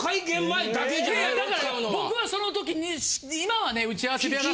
だから僕はその時に今はね打ち合わせ部屋が。